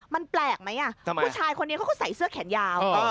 มันแปลกไหมผู้ชายคนนี้เขาก็ใส่เสื้อแขนยาว